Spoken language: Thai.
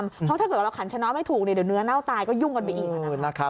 เพราะถ้าเกิดเราขันชนะไม่ถูกเดี๋ยวเนื้อเน่าตายก็ยุ่งกันไปอีก